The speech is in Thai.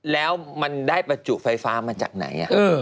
แล้วมันได้ประจุไฟฟ้ามาจากไหน